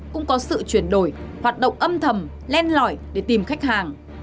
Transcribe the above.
cũng có sự chuyển đổi hoạt động âm thầm len lỏi để tìm khách hàng